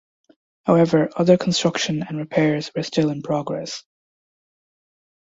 However, other construction and repairs were still in progress.